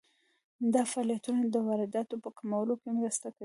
دا فعالیتونه د وارداتو په کمولو کې مرسته کوي.